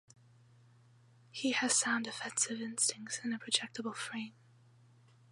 He has sound offensive instincts and a projectable frame.